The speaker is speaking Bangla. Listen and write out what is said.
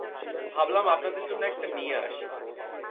ভাবলাম আপনাদের জন্য একটা নিয়ে আসি।